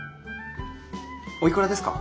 おいくらですか？